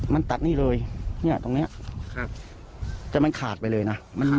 มันตัดนี่เลยเนี่ยตรงนี้แต่มันขาดไปเลยนะ